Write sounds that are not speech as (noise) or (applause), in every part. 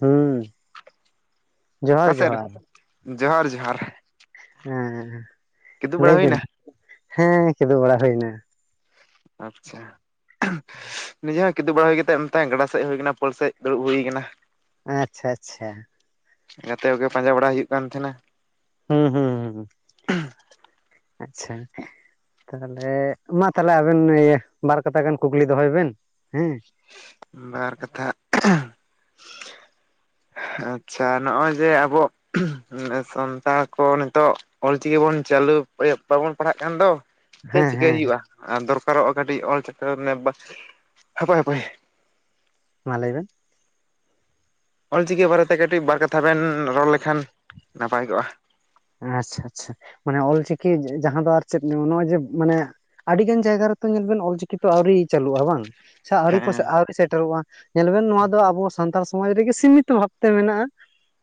ᱦᱩᱸ ᱡᱚᱦᱟᱨ ᱚᱠᱟ ᱥᱮ ᱨᱮ ᱡᱚᱦᱟᱨ ᱡᱚᱦᱟᱸᱨ ᱡᱚᱦᱟᱸᱨ ᱮ ᱞᱟᱹᱭ ᱵᱤᱱ ᱦᱩᱭᱱᱟ? ᱦᱮᱸ ᱠᱤᱫᱩᱵ ᱵᱟᱲᱟ ᱦᱩᱭᱱᱟ ᱟᱪᱪᱷᱟ ᱱᱤᱡᱮ ᱦᱚᱸ ᱠᱤᱫᱩ ᱵᱟᱲᱟ ᱦᱩᱭ ᱠᱟᱛᱮᱫ ᱱᱚᱛᱮ ᱜᱟᱰᱟ ᱥᱮᱫ ᱦᱮ ᱦᱩᱭ ᱠᱟᱱᱟ ᱯᱳᱞ ᱥᱮᱫ ᱫᱩᱲᱩᱵ ᱦᱩᱭ ᱠᱟᱱᱟ ᱟᱪᱪᱷᱟ ᱟᱪᱪᱷᱟ ᱜᱟᱛᱮ ᱠᱚᱜᱮ ᱯᱟᱸᱡᱟ ᱵᱟᱲᱟ ᱦᱩᱭᱩᱜ ᱠᱟᱱ ᱛᱟᱦᱮᱸᱱᱟ ᱦᱩᱸ ᱦᱩᱸ ᱟᱪᱪᱷᱟᱻ ᱛᱟᱦᱞᱮ ᱢᱟ ᱛᱟᱦᱚᱞᱮ ᱟᱵᱮᱱ ᱤᱭᱟᱹ ᱵᱟᱨ ᱠᱟᱛᱷᱟ ᱜᱟᱱ ᱠᱩᱠᱞᱤ ᱫᱚᱦᱚᱭ ᱵᱮᱱ ᱦᱮᱸ ᱵᱟᱨ ᱠᱟᱛᱷᱟ ᱟᱪᱪᱷᱟ ᱱᱚᱜᱼᱚᱭ ᱡᱮ ᱟᱵᱚ ᱥᱟᱱᱛᱟᱲ ᱠᱚ ᱱᱤᱛᱚᱜ ᱚᱞᱪᱤᱠᱤ ᱵᱚᱱ ᱪᱟᱹᱞᱩ ᱟᱭᱟ. ᱵᱟᱵᱚᱱ ᱯᱟᱲᱦᱟᱜ ᱠᱟᱱ ᱫᱚ ᱪᱮᱫ ᱦᱮᱸ ᱪᱤᱠᱟᱹᱭ ᱦᱮᱸ ᱦᱩᱭᱩᱜ-ᱟ ᱟᱨ ᱫᱚᱨᱠᱟᱨᱚᱜ-ᱟ ᱠᱟᱹᱴᱤᱡ ᱚᱞ ᱪᱤᱠᱤ ᱱᱤ ᱦᱟᱯᱳᱭ ᱦᱟᱯᱳᱭ ᱢᱟ ᱞᱟᱹᱭ ᱵᱮᱱ ᱚᱞ ᱪᱤᱠᱤ ᱵᱟᱨᱮ ᱛᱮ ᱠᱟᱹᱴᱤᱡ ᱵᱟᱨ ᱠᱟᱛᱷᱟ ᱵᱮᱱ ᱨᱚᱲ ᱞᱮᱠᱷᱟᱱ ᱱᱟᱯᱟᱭ ᱠᱚᱜ-ᱟ ᱟᱪᱪᱷᱟ ᱟᱪᱪᱷᱟ ᱢᱟᱱᱮ ᱚᱞᱪᱤᱠᱤ ᱡᱟᱦᱟ ᱫᱚ ᱟᱨ ᱪᱮᱫ ᱱᱚᱜᱼᱚᱭ ᱡᱮ ᱢᱟᱱᱮ ᱟᱰᱤ ᱜᱟᱱ ᱡᱟᱭᱜᱟ ᱨᱮᱛᱚ ᱧᱮᱞᱵᱮᱱ ᱚᱞᱪᱤᱠᱤ ᱛᱚ ᱟᱹᱣᱨᱤ ᱪᱟᱹᱞᱩᱜ-ᱟ ᱵᱟᱝ ᱥᱮ ᱟᱹᱣᱨᱤ ᱠᱚ ᱥᱮ ᱦᱮᱸ ᱟᱹᱣᱨᱤ ᱥᱮᱴᱮᱨᱚᱜ-ᱟ ᱧᱮᱞ ᱵᱮᱱ ᱱᱚᱣᱟ ᱫᱚ ᱟᱵᱚ ᱥᱟᱱᱛᱟᱲ ᱥᱚᱢᱟᱡᱽ ᱨᱮᱜᱮ ᱥᱤᱢᱤᱛᱚ ᱵᱷᱟᱵᱛᱮ ᱢᱮᱱᱟᱜ-ᱟ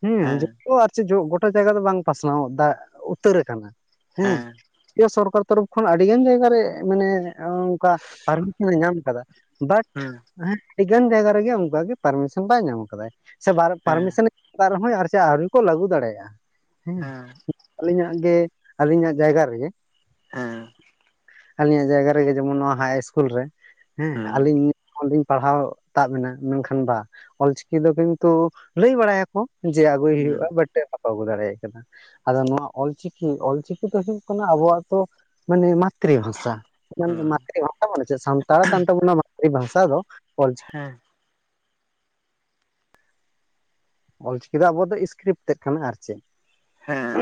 ᱦᱮ ᱦᱮᱸ ᱡᱚᱫᱤᱭᱚ ᱟᱨ ᱜᱚᱴᱟ ᱡᱟᱭᱜᱟ ᱫᱚ ᱵᱟᱝ ᱯᱟᱥᱱᱟᱣ ᱫᱟ ᱩᱛᱟᱹᱨ ᱠᱟᱱᱟ ᱦᱮᱸ ᱦᱮ ᱥᱚᱨᱠᱟᱨ ᱛᱚᱨᱚᱯᱷ ᱠᱷᱚᱱ ᱟᱹᱰᱤ ᱜᱟᱱ ᱡᱟᱭᱜᱟ ᱨᱮ ᱢᱟᱱᱮ ᱚᱱᱠᱟ ᱯᱟᱨᱢᱤᱥᱚᱱᱮ ᱧᱟᱢ ᱟᱠᱟᱫᱟ ᱵᱟᱴ ᱦᱮᱸ ᱦᱮ ᱟᱹᱰᱤ ᱜᱟᱱ ᱡᱟᱭᱜᱟ ᱨᱮᱜᱮ ᱚᱱᱠᱟ ᱜᱮ ᱯᱟᱨᱢᱤᱥᱚᱱ ᱵᱟᱭ ᱧᱟᱢ ᱠᱟᱫᱟ ᱥᱮ ᱦᱮᱸ ᱯᱟᱨᱢᱤᱥᱚᱱ ᱚᱠᱟ ᱨᱮᱦᱚᱸ ᱟᱨ ᱪᱟᱜ ᱟᱹᱣᱨᱤ ᱠᱚ ᱞᱟᱹᱜᱩ ᱫᱟᱲᱮᱭᱟᱜᱼᱟ ᱦᱮᱸ ᱟᱹᱞᱤᱧᱟᱜ ᱜᱮ ᱟᱹᱞᱤᱧᱟᱜ ᱡᱟᱭᱜᱟ ᱨᱮᱜᱮ ᱦᱮᱸ ᱟᱞᱤᱧᱟᱜ ᱡᱟᱭᱜᱟ ᱨᱮᱜᱮ ᱡᱮᱢᱚᱱ ᱱᱚᱣᱟ ᱦᱟᱭ ᱤᱥᱠᱩᱞ ᱨᱮ ᱦᱮᱸ ᱟᱹᱞᱤᱧ ᱦᱚᱞᱤᱧ ᱯᱟᱲᱦᱟᱣ ᱛᱟᱵ ᱮᱱᱟ ᱢᱮᱱᱠᱷᱟᱱ ᱵᱟ ᱚᱞ ᱪᱤᱠᱤ ᱫᱚ ᱠᱤᱱᱛᱩ ᱞᱟᱹᱭ ᱵᱟᱲᱟᱭᱟᱠᱚ ᱡᱮ ᱟᱹᱜᱩᱭ ᱦᱮᱸ ᱦᱩᱭᱩᱜᱼᱟ ᱵᱟᱴ ᱵᱟᱠᱚ ᱟᱹᱜᱩ ᱫᱟᱲᱮᱭᱟᱜ ᱠᱟᱱᱟ ᱟᱫᱚ ᱱᱚᱣᱟ ᱚᱞᱪᱤᱠᱤ ᱚᱞᱪᱤᱠᱤ ᱫᱚ ᱦᱩᱭᱩᱜ ᱠᱟᱱᱟ ᱟᱵᱚᱣᱟᱜ ᱛᱚ ᱢᱟᱱᱮ ᱢᱟᱛᱨᱤ ᱵᱷᱟᱥᱟ ᱦᱮᱸ ᱢᱟᱛᱨᱤ ᱵᱷᱟᱥᱟ ᱢᱟᱱᱮ ᱪᱮᱫ? ᱥᱟᱱᱛᱟᱲ ᱠᱟᱱ ᱛᱟᱵᱚᱱᱟ ᱢᱟᱛᱨᱤ ᱵᱷᱟᱥᱟ ᱫᱚ ᱚᱞᱪᱤᱠᱤ ᱦᱮᱸ ᱚᱞᱪᱤᱠᱤ ᱫᱚ ᱟᱵᱚ ᱫᱚ ᱤᱥᱠᱨᱤᱯᱴ ᱛᱮᱫ ᱠᱟᱱᱟ ᱟᱨ ᱪᱮᱫ ᱦᱮᱸ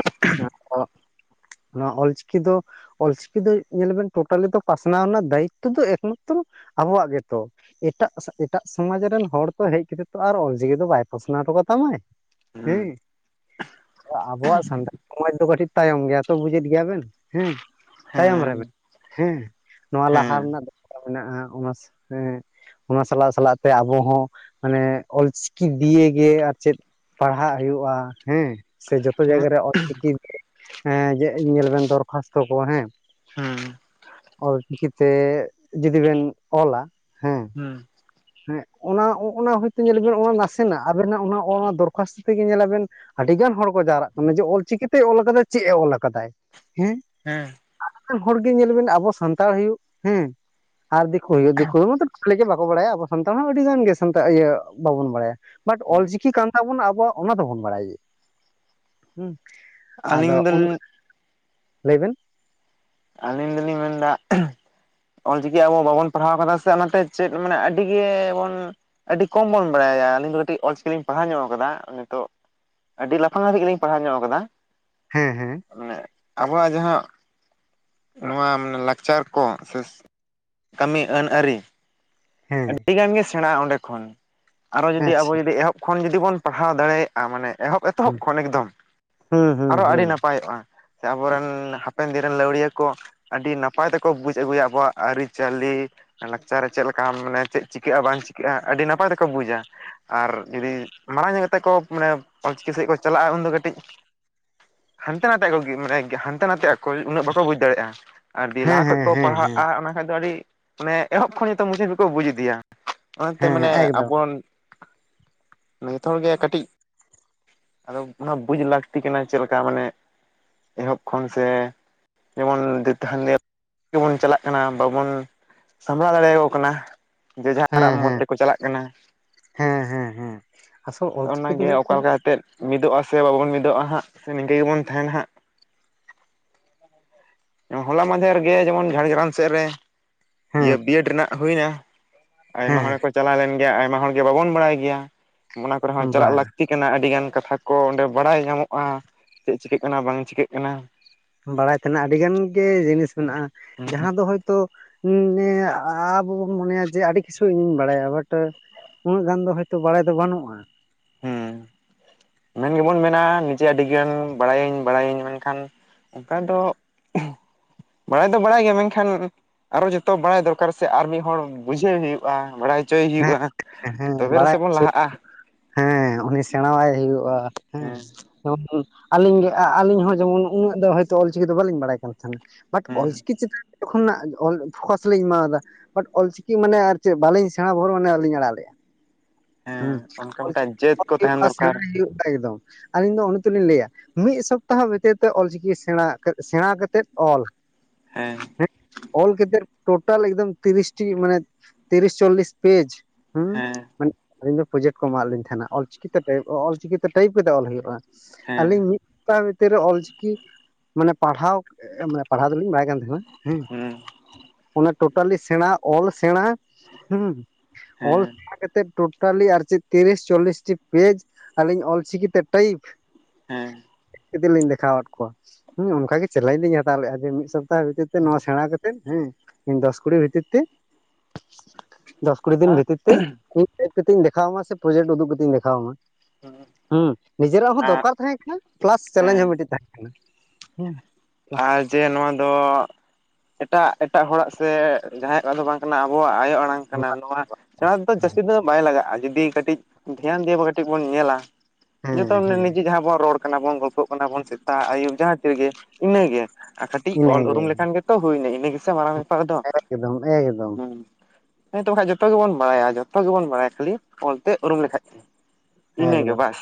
ᱱᱚᱣᱟ ᱚᱞᱪᱤᱠᱤ ᱫᱚ ᱚᱞᱪᱤᱠᱤ ᱫᱚ ᱧᱮᱞ ᱟᱵᱚᱱ ᱴᱳᱴᱟᱞᱤ ᱫᱚ ᱯᱟᱥᱱᱟᱣ ᱨᱮᱱᱟᱜ ᱫᱟᱭᱤᱛᱛᱚ ᱫᱚ ᱮᱠᱢᱟᱛᱨᱚ ᱟᱵᱚᱣᱟᱜ ᱜᱮᱛᱚ ᱾ ᱮᱴᱟᱜ ᱮᱴᱟᱜ ᱥᱚᱢᱟᱡᱽ ᱨᱮᱱ ᱦᱚᱲ ᱠᱚ ᱦᱮᱡ ᱠᱟᱛᱮᱜ ᱛᱚ ᱟᱨ ᱚᱞᱪᱤᱠᱤ ᱫᱚ ᱵᱟᱭ ᱯᱟᱥᱱᱟᱣ ᱦᱚᱴᱚ ᱠᱟᱫᱟ ᱾ ᱛᱟᱢᱟᱭ ᱦᱩᱸ ᱦᱮᱸ ᱟᱵᱚᱣᱟᱜ ᱥᱟᱱᱛᱟᱲ ᱥᱚᱢᱟᱡᱽ ᱫᱚ ᱠᱟᱹᱴᱤᱡ ᱛᱟᱭᱚᱢ ᱜᱮᱭᱟ ᱛᱚ ᱵᱩᱡᱮᱫ ᱜᱮᱭᱟ ᱵᱮᱱ ᱦᱮᱸ ᱛᱟᱭᱚᱢ ᱨᱮ ᱦᱮᱸ ᱢᱮᱱᱟᱜ ᱦᱮᱸ ᱱᱚᱣᱟ ᱞᱟᱦᱟ ᱦᱮᱸ ᱨᱮᱱᱟᱜ ᱫᱚ ᱢᱮᱱᱟᱜᱼᱟ ᱚᱱᱟ ᱦᱮ ᱸ ᱚᱱᱟ ᱥᱟᱞᱟᱜ ᱥᱟᱞᱟᱜ ᱛᱮ ᱟᱵᱚ ᱦᱚᱸ ᱢᱟᱱᱮ ᱚᱞᱪᱤᱠᱤ ᱫᱤᱭᱮ ᱜᱮ ᱪᱮᱫ ᱯᱟᱲᱦᱟᱜ ᱦᱩᱭᱩᱜᱼᱟ ᱦᱮᱸ ᱥᱮ ᱡᱚᱛᱚ ᱦᱮᱸ ᱡᱟᱭᱜᱟ ᱨᱮ ᱪᱤᱠᱤ ᱮᱸ ᱡᱮ ᱧᱮᱞ ᱵᱮᱱ ᱫᱚᱨᱠᱷᱟᱥᱛᱚ ᱠᱚ ᱦᱮᱸ ᱦᱩᱸ ᱚᱞᱪᱤᱠᱤᱛᱮ ᱡᱩᱫᱤ ᱵᱮᱱ ᱚᱞᱟ ᱦᱮᱸ ᱦᱩᱸ ᱦᱮᱸ ᱚᱱᱟ ᱚᱱᱟ ᱦᱚᱭᱛᱚ ᱧᱮᱞ ᱟᱵᱮᱱ ᱚᱱᱟ ᱱᱟᱥᱮᱱᱟᱜ ᱟᱵᱮᱱᱟᱜ ᱫᱚᱨᱠᱷᱟᱥᱛᱚ ᱛᱮᱜᱮ ᱧᱮᱞᱟᱵᱮᱱ ᱟᱹᱰᱤ ᱜᱟᱱ ᱦᱚᱲ ᱠᱚ ᱡᱟᱣᱨᱟᱜ ᱠᱟᱱᱟ ᱡᱮ ᱚᱞᱪᱤᱠᱤᱛᱮ ᱚᱞ ᱠᱟᱫᱟ ᱪᱮᱫ ᱮ ᱚᱞ ᱠᱟᱫᱟᱭ ᱦᱮᱸ ᱦᱮᱸ (unintelligible) ᱦᱚᱲᱜᱮ ᱧᱮᱞ ᱵᱤᱱ ᱟᱵᱚ ᱥᱟᱱᱛᱟᱲ ᱦᱩᱭᱩᱜ ᱦᱮᱸ ᱟᱨ ᱫᱤᱠᱩ ᱦᱩᱭᱩᱜ ᱫᱤᱠᱩ ᱢᱟᱛᱚ (inaudible) ᱜᱮ ᱵᱟᱠᱚ ᱵᱟᱲᱟᱭᱟ ᱟᱵᱚ ᱥᱟᱱᱛᱟᱲ ᱦᱚᱸ ᱟᱹᱰᱤ ᱜᱟᱱ ᱜᱮ ᱥᱟᱱᱛᱟᱲ ᱤᱭᱟᱹ ᱵᱟᱵᱚᱱ ᱵᱟᱲᱟᱭᱟ ᱵᱟᱴ ᱚᱞᱪᱤᱠᱤ ᱠᱟᱱ ᱛᱟᱵᱚᱱᱟ ᱟᱵᱚᱣᱟᱜ ᱚᱱᱟ ᱫᱚᱵᱚᱱ ᱵᱟᱲᱟᱭ ᱜᱮ ᱦᱩᱸ ᱟᱫᱚ ᱟᱹᱞᱤᱧ ᱚᱱᱼ ᱫᱚᱞᱤᱧ (inaudible) ᱞᱟᱹᱭᱵᱤᱱ ᱟᱹᱞᱤᱧ ᱫᱚᱞᱤᱧ ᱢᱮᱱᱫᱟ ᱚᱞᱪᱤᱠᱤ ᱟᱵᱚ ᱵᱟᱵᱚᱱ ᱯᱟᱲᱦᱟᱣ ᱠᱟᱫᱟ ᱥᱮ ᱚᱱᱟᱛᱮ ᱪᱮᱫ ᱢᱟᱱᱮ ᱟᱹᱰᱤ ᱜᱮᱵᱚᱱ ᱟᱹᱰᱤ ᱠᱚᱢ ᱵᱚᱱ ᱵᱟᱲᱟᱭᱟ ᱟᱹᱞᱤᱧ ᱫᱚ ᱠᱟᱹᱴᱤᱡ ᱚᱞᱪᱤᱠᱤ ᱞᱤᱧ ᱯᱟᱲᱦᱟᱣ ᱧᱚᱜ ᱟᱠᱟᱫᱟ ᱱᱤᱛᱚᱜ ᱟᱹᱰᱤ ᱞᱟᱯᱷᱟᱝ ᱦᱟᱹᱵᱤᱡ ᱜᱮᱞᱤᱧ ᱯᱟᱲᱦᱟᱣ ᱧᱚᱜ ᱟᱠᱟᱫᱟ ᱾ ᱦᱮᱸ ᱦᱮᱸ ᱚᱱᱮ ᱟᱵᱚᱣᱟᱜ ᱡᱟᱦᱟᱸ ᱱᱚᱣᱟ ᱞᱟᱠᱪᱟᱨ ᱠᱚ ᱥᱮ ᱠᱟᱹᱢᱤ ᱟᱹᱱ ᱟᱹᱨᱤ ᱾ ᱦᱮᱸ ᱟᱹᱰᱤ ᱜᱟᱱ ᱜᱮ ᱥᱮᱬᱟᱜᱼᱟ ᱚᱸᱰᱮ ᱠᱷᱚᱱ ᱟᱨᱚ ᱡᱩᱫᱤ ᱟᱵᱚ ᱟᱪᱪᱷᱟ ᱡᱩᱫᱤ ᱮᱦᱚᱵ ᱠᱷᱚᱱ ᱡᱩᱫᱤ ᱵᱚᱱ ᱯᱟᱲᱦᱟᱣ ᱫᱟᱲᱮᱭᱟᱜ ᱼᱟ ᱢᱟᱱᱮ ᱮᱦᱚᱵ ᱮᱛᱚᱦᱚᱵ ᱦᱩᱸ ᱠᱷᱚᱱ ᱮᱠᱫᱚᱢ ᱦᱩᱸ ᱦᱩᱸ ᱟᱨᱚ ᱟᱹᱰᱤ ᱦᱩᱸ ᱱᱟᱯᱟᱭ ᱼᱚᱜᱼᱟ ᱥᱮ ᱟᱵᱚᱨᱮᱱ ᱦᱟᱯᱮᱱ ᱫᱤᱱ ᱨᱮᱱ ᱞᱟᱹᱣᱲᱤᱭᱟᱹ ᱠᱚ ᱟᱹᱰᱤ ᱱᱟᱯᱟᱭ ᱛᱮᱠᱚ ᱵᱩᱡ ᱟᱹᱜᱩᱭᱟ ᱟᱵᱚᱣᱟᱜ ᱟᱹᱨᱤᱪᱟᱹᱞᱤ ᱞᱟᱠᱪᱟᱨ ᱪᱮᱫ ᱞᱮᱠ ᱼᱠᱟ ᱢᱟᱱᱮ ᱪᱮᱫ ᱪᱤᱠᱟᱹᱜᱼᱟ ᱵᱟᱝ ᱪᱤᱠᱟᱹᱜᱼᱟ ᱟᱹᱰᱤ ᱱᱟᱯᱟᱭ ᱛᱮᱠᱚ ᱵᱩᱡᱟ ᱾ ᱟᱨ ᱡᱩᱫᱤ ᱢᱟᱲᱟᱝ ᱧᱚᱜ ᱠᱟᱛᱮᱜ ᱠᱚ ᱢᱟᱱᱮ ᱚᱞᱪᱤᱠᱤ ᱥᱮᱫ ᱠᱚ ᱪᱟᱞᱟᱜᱼᱟ ᱩᱱᱫᱚ ᱠᱟᱹᱴᱤᱡ ᱦᱟᱱᱛᱮ ᱱᱟᱛᱮᱜ ᱢᱟᱱᱮ (unintelligible) ᱦᱟᱱᱛᱮ ᱱᱟᱛᱮ ᱟᱠ ᱩᱱᱟᱹᱜ ᱵᱟᱠᱚ ᱵᱩᱡᱽ ᱫᱟᱲᱮᱭᱟᱜᱼᱟ ᱟᱨ ᱫᱤᱭᱮ ᱦᱮᱸ ᱞᱟᱦᱟ ᱠᱷᱚᱡ ᱦᱮᱸ ᱠᱚ ᱦᱮᱸ ᱦᱮᱸ ᱯᱟᱲᱦᱟᱜᱼᱟ ᱚᱱᱟ ᱠᱷᱟᱡ ᱫᱚ ᱟᱹᱰᱤ ᱢᱟᱱᱮ ᱮᱦᱚᱵ ᱠᱷᱚᱱ (unintelligible) ᱠᱚ ᱵᱩᱡᱽ ᱤᱫᱤᱭᱟ ᱚᱱᱟᱛᱮ ᱦᱮᱸ ᱢᱟᱱᱮ ᱮᱠᱫᱚᱢ ᱟᱵᱚᱱ ᱡᱚᱛᱚ ᱦᱚᱲ ᱜᱮ ᱠᱟᱹᱴᱤᱡ ᱟᱫᱚ ᱚᱱᱟ ᱵᱩᱡᱽ ᱞᱟᱹᱠᱛᱤ ᱠᱟᱱᱟ ᱪᱮᱫ ᱞᱮᱠᱟ ᱢᱟᱱᱮ ᱮᱦᱚᱵ ᱠᱷᱚᱱ ᱥᱮ ᱡᱮᱢᱚᱱ (unintelligible) ᱨᱮ ᱜᱮᱵᱚᱱ ᱪᱟᱞᱟᱜ ᱠᱟᱱᱟ ᱵᱟᱵᱚᱱ ᱥᱟᱢᱵᱲᱟᱣ ᱫᱟᱲᱮᱭᱟᱠᱚ ᱠᱟᱱᱟ ᱡᱮ ᱡᱟᱨᱼᱟᱜ ᱦᱮᱸ ᱢᱚᱛ ᱦᱮᱸ ᱛᱮᱠᱚ ᱪᱟᱞᱟᱜ ᱠᱟᱱᱟ᱾ ᱦᱮᱸ ᱦᱮᱸ ᱦᱮᱸ ᱟᱥᱚᱞ ᱚᱞᱪᱤᱠᱤ ᱫᱚ ᱚᱱᱟᱜᱮ ᱦᱩᱭᱩᱜ ᱚᱠᱟ ᱠᱟᱱᱟ, ᱞᱮᱠᱟ ᱠᱟᱛᱮᱫ ᱢᱤᱫᱚᱜᱼᱟ ᱥᱮ ᱵᱟᱵᱚᱱ ᱢᱤᱫᱚᱜᱼᱟ ᱦᱟᱸᱜ ᱥᱮ ᱱᱤᱝᱠᱟᱹ ᱜᱮᱵᱚᱱ ᱛᱟᱦᱮᱱᱟ ᱦᱟᱸᱜ ᱦᱚᱞᱟ ᱢᱟᱸᱫᱷᱮᱨ ᱜᱮ ᱡᱮᱢᱚᱱ ᱡᱷᱟᱲᱜᱨᱟᱢ ᱥᱮᱫ ᱨᱮ ᱤᱭᱟᱹ ᱦᱮᱸ ᱵᱤᱭᱮᱹᱰ ᱨᱮᱱᱟᱜ ᱦᱩᱭᱱᱟ᱾ ᱟᱭᱢᱟ ᱦᱚᱲ ᱦᱮᱸ ᱜᱮᱠᱚ ᱪᱟᱞᱟᱣ ᱞᱮᱱ ᱜᱮᱭᱟ ᱟᱭᱢᱟ ᱦᱚᱲ ᱜᱮ ᱵᱟᱵᱚᱱ ᱵᱟᱲᱟᱭ ᱜᱮᱭᱟ ᱚᱱᱟ ᱠᱚᱨᱮ ᱦᱚᱸ ᱵᱟ ᱪᱟᱞᱟᱜ ᱞᱟᱹᱠᱛᱤ᱾ ᱠᱟᱱᱟ ᱟᱹᱰᱤ ᱜᱟᱱ ᱠᱟᱛᱷᱟ ᱠᱚ ᱚᱸᱰᱮ ᱵᱟᱲᱟᱭ ᱧᱟᱢᱚᱜᱼᱟ ᱪᱮᱫ ᱪᱤᱠᱟᱹᱜ ᱠᱟᱱᱟ ᱵᱟᱝ ᱪᱤᱠᱟᱹᱜ ᱠᱟᱱᱟ᱾ ᱵᱟᱲᱟᱭ ᱛᱟᱦᱮᱸᱱᱟᱜ ᱟᱹᱰᱤ ᱜᱟᱱ ᱜᱮ ᱡᱤᱱᱤᱥ ᱢᱮᱱᱟᱜᱼᱟ ᱡᱟᱦᱟᱸ ᱫᱚ ᱦᱚᱳᱭᱛᱚ ᱦᱮ ᱟᱵᱚ ᱵᱚᱱ ᱢᱚᱱᱮᱭᱟ ᱡᱮ ᱟᱹᱰᱤ ᱠᱤᱪᱷᱩ ᱤᱧᱤᱧ ᱵᱟᱲᱟᱭᱟ ᱵᱟᱴ, ᱩᱱᱟᱹᱜ ᱜᱟᱱ ᱫᱚ ᱦᱳᱭᱛᱳ ᱵᱟᱲᱟᱭ ᱫᱚ ᱵᱟᱹᱱᱩᱜᱼᱟ᱾ ᱦᱮᱸ ᱢᱮᱱ ᱜᱮᱵᱚᱱ ᱢᱮᱱᱟ ᱱᱤᱡᱮ ᱟᱹᱰᱤᱜᱟᱱ ᱵᱟᱲᱟᱭᱟᱹᱧ ᱵᱟᱲᱟᱭᱟᱹᱧ ᱢᱮᱱᱠᱷᱟᱱ, ᱚᱱᱠᱟ (inaudible) ᱫᱚ ᱵᱟᱲᱟᱭ ᱫᱚ ᱵᱟᱲᱟᱭ ᱜᱮᱭᱟ ᱢᱮᱱᱠᱷᱟᱱ ᱟᱨᱚ ᱡᱚᱛᱚ ᱵᱟᱲᱟᱭ ᱫᱚᱨᱠᱟᱨ ᱥᱮ ᱟᱨ ᱢᱤᱫ ᱦᱚᱲ ᱵᱩᱡᱷᱟᱹᱣ ᱦᱩᱭᱩᱜᱼᱟ ᱵᱟᱲᱟᱭ ᱪᱮᱭ ᱦᱮᱸ ᱦᱩᱭᱩᱜᱼᱟ ᱦᱮᱸ ᱛᱚᱵᱮ ᱵᱟᱲᱟᱭ ᱨᱮᱥᱮ ᱵᱚᱱ ᱞᱟᱦᱟᱜᱼᱟ ᱾ ᱦᱮᱸ ᱩᱱᱤ ᱥᱮᱬᱟᱣᱟᱭ ᱦᱩᱭᱩᱜᱼᱟ ᱦᱮᱸ ᱟᱹᱞᱤᱧ ᱜᱮ ᱟᱹᱞᱤᱧ ᱦᱚᱸ ᱡᱮᱢᱚᱱ ᱩᱱᱟᱹᱜ ᱫᱚ ᱦᱳᱭᱛᱳ ᱚᱞᱪᱤᱠᱤ ᱫᱚ ᱵᱟᱹᱞᱤᱧ ᱵᱟᱲᱟᱭ ᱠᱟᱱ ᱛᱟᱦᱮᱱᱟ᱾ ᱵᱟᱴ ᱦᱮᱸ ᱚᱞᱪᱤᱠᱤ ᱪᱮᱛᱟᱱ ᱡᱚᱠᱦᱚᱱ, ᱠᱷᱚᱱᱟᱜ ᱯᱷᱳᱠᱟᱥ ᱞᱤᱧ ᱮᱢᱟᱫᱟ ᱵᱟᱴ ᱚᱞᱪᱤᱠᱤ ᱢᱟᱱᱮ ᱟᱨ ᱪᱮᱫ ᱵᱟᱞᱤᱧ ᱥᱮᱬᱟ ᱵᱷᱳᱨ ᱢᱟᱱᱮ ᱵᱟᱹᱞᱤᱧ ᱟᱲᱟᱜ ᱞᱮᱫᱼᱟ᱾ ᱦᱩᱸ ᱦᱮᱸ ᱚᱱᱠᱟ ᱚᱞᱪᱤᱠᱤ ᱢᱤᱫᱴᱟᱝ ᱡᱟᱹᱛ ᱠᱚ ᱛᱟᱦᱮᱱ ᱦᱩᱭᱩᱜ ᱥᱮᱬᱟᱭ ᱫᱚᱨᱠᱟᱨ ᱦᱩᱭᱩᱜᱼᱟ ᱮᱠᱫᱚᱢ ᱟᱹᱞᱤᱧ ᱫᱚ ᱚᱱᱟᱛᱮ ᱞᱤᱧ ᱞᱟᱹᱭᱟ᱾ ᱢᱤᱫ ᱥᱚᱯᱛᱟᱦᱚ ᱵᱷᱤᱛᱤᱨ ᱛᱮ ᱚᱞᱪᱤᱠᱤ ᱥᱮᱬᱟ ᱥᱮᱬᱟ ᱠᱟᱛᱮᱫ ᱚᱞ, ᱦᱮᱸ ᱦᱮᱸ ᱚᱞ ᱠᱟᱛᱮᱫ ᱴᱳᱴᱟᱞ ᱮᱠᱫᱚᱢ ᱛᱤᱨᱤᱥᱴᱤ ᱢᱟᱱᱮ ᱛᱤᱨᱤᱥ ᱪᱚᱞᱤᱥ ᱯᱮᱡ ᱦᱮᱸ ᱢᱟᱱᱮ ᱟᱹᱞᱤᱧ ᱫᱚ ᱯᱨᱚᱡᱮᱠᱴ ᱠᱚ ᱮᱢᱟᱜ ᱞᱤᱧ ᱛᱟᱦᱮᱸᱱᱟ ᱚᱞᱪᱤᱠᱤᱛᱮ ᱴᱟᱭᱤᱯ ᱚᱞᱪᱤᱠᱤᱛᱮ ᱴᱟᱭᱤᱯ ᱠᱟᱛᱮ ᱚᱞ ᱦᱩᱭᱩᱜᱼᱟ᱾ ᱦᱮᱸ ᱟᱹᱞᱤᱧ ᱢᱤᱫ ᱥ ᱵᱷᱤᱛᱤᱨ ᱨᱮ ᱚᱞᱪᱤᱠᱤ ᱢᱟᱱᱮ ᱯᱟᱲᱦᱟᱣ ᱯᱟᱲᱦᱟᱣ ᱫᱚᱞᱤᱧ ᱵᱟᱲᱟᱭ ᱠᱟᱱ ᱛᱟᱦᱮᱸᱱᱟ᱾ ᱦᱮᱸ ᱦᱩᱸ ᱚᱱᱟ ᱴᱳᱴᱟᱞᱤ ᱥᱮᱬᱟ ᱚᱞ ᱥᱮᱬᱟ, ᱦᱩᱸ ᱚᱞ ᱦᱮᱸ ᱠᱟᱛᱮᱫ ᱴᱳᱴᱟᱞᱤ ᱟᱨ ᱪᱮᱫ ᱛᱤᱨᱤᱥ ᱪᱚᱞᱞᱤᱥᱴᱤ ᱯᱮᱡᱽ ᱟᱹᱞᱤᱧ ᱚᱞᱪᱤᱠᱤᱛᱮ ᱴᱟᱭᱤᱯ ᱦᱮᱸ ᱞᱤᱧ ᱫᱮᱠᱷᱟᱣᱟᱫ ᱠᱚᱣᱟ ᱦᱩᱸ ᱚᱱᱠᱟ ᱜᱮ ᱪᱮᱞᱮᱧᱡᱽ ᱞᱤᱧ ᱦᱟᱛᱟᱣ ᱞᱮᱫᱜᱼᱟ ᱡᱮ ᱢᱤᱫ ᱥᱚᱯᱛᱟᱦᱚ ᱵᱷᱤᱛᱤᱨ ᱛᱮ ᱱᱚᱣᱟ ᱥᱮᱬᱟ ᱠᱟᱛᱮ ᱦᱮᱸ ᱫᱚᱥ ᱠᱩᱲᱤ ᱵᱷᱤᱛᱤᱨ ᱛᱮ ᱫᱚᱥ ᱠᱩᱲᱤ ᱫᱤᱱ ᱟᱨ ᱵᱷᱤᱛᱤᱨ ᱛᱮ ᱦᱮᱡᱽ ᱠᱟᱛᱮᱧ ᱫᱮᱠᱷᱟᱣᱟᱢᱟ ᱥᱮ ᱯᱨᱚᱡᱮᱠᱴ ᱩᱫᱩᱜ ᱠᱟᱛᱮᱧ ᱫᱮᱠᱷᱟᱣᱟ ᱢᱟ ᱦᱮᱸ ᱱᱤᱡᱮᱨᱟᱜ ᱦᱚᱸ ᱟᱨ ᱫᱚᱨᱠᱟᱨ ᱛᱟᱦᱮᱸ ᱯᱞᱟᱥ ᱪᱮᱞᱮᱧᱡᱽ ᱦᱮᱸ ᱦᱚᱸ ᱢᱤᱫᱴᱮᱱ ᱛᱟᱦᱮᱸ ᱠᱟᱱᱟ᱾ ᱯᱞᱟᱥ ᱟᱨ ᱡᱮ ᱱᱚᱣᱟ ᱫᱚ ᱮᱴᱟᱜ ᱮᱴᱟᱜ ᱦᱚᱲᱟᱜ ᱥᱮ ᱡᱟᱦᱟᱸᱭ ᱠᱚᱣᱟᱜ ᱫᱚ ᱵᱟᱝ ᱠᱟᱱᱟ ᱟᱵᱚᱣᱟᱜ ᱟᱭᱳ ᱟᱲᱟᱝ ᱠᱟᱱᱟ ᱱᱚᱣᱟ ᱥᱮᱬᱟ ᱛᱮᱫᱚ ᱡᱟᱹᱥᱛᱤ ᱫᱚ ᱵᱟᱭ ᱞᱟᱜᱟᱜᱼᱟ ᱡᱩᱫᱤ ᱠᱟᱹᱴᱤᱡ ᱫᱷᱮᱭᱟᱱ ᱫᱤᱭᱮ ᱵᱚ ᱠᱟᱹᱴᱤᱡ ᱵᱚᱱ ᱧᱮᱞᱟ᱾ ᱦᱮᱸ ᱡᱚᱛᱚ ᱦᱮᱸ ᱱᱤᱡᱮ ᱡᱟᱦᱟᱸ ᱵᱚᱱ ᱨᱚᱲ ᱠᱟᱱᱟ ᱵᱚᱱ ᱜᱚᱞᱯᱚᱜ ᱠᱟᱱᱟ ᱵᱚᱱ ᱥᱮᱛᱟ ᱟᱹᱭᱩᱵ ᱡᱟᱦᱟᱸ ᱛᱤ ᱨᱮᱜᱮ ᱤᱱᱟᱹᱜᱮ᱾ ᱟᱨ ᱠᱟᱹᱴᱤᱡ ᱚᱞ ᱤᱱᱟᱹᱜᱮ ᱩᱨᱩᱢ ᱞᱮᱠᱷᱟᱱ ᱜᱮᱛᱚ ᱦᱩᱭᱱᱟ ᱤᱱᱟᱹ ᱜᱮᱥᱮ ᱢᱟᱨᱟᱝ ᱫᱚ ᱮᱠᱫᱚᱢ ᱮᱠᱫᱚᱢ ᱦᱮᱸ ᱦᱮᱸ ᱛᱚ ᱵᱟᱠᱷᱟᱡ ᱡᱚᱛᱚ ᱜᱮᱵᱚᱱ ᱵᱟᱲᱟᱭᱟ ᱡᱚᱛᱚ ᱜᱮᱵᱚᱱ ᱵᱟᱲᱟᱭᱟ ᱠᱷᱟᱹᱞᱤ ᱚᱞᱛᱮ ᱩᱨᱩᱢ ᱞᱮᱠᱷᱟᱡ᱾ ᱤᱱᱟᱹᱜᱮ ᱮᱠᱫᱚᱢ ᱵᱟᱥ